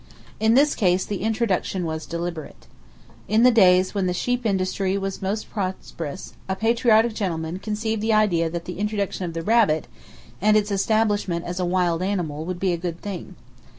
In this case the introduction was deliberate. In the days when the sheep industry was most prosperous, a patriotic gentleman conceived the idea that the introduction of the rabbit, and its establishment as a wild animal, would be a good thing.